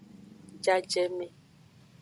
Jajeme.